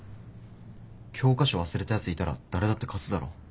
教科書忘れたやついたら誰だって貸すだろ。